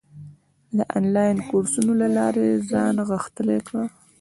د انلاین کورسونو له لارې ځان غښتلی کړه.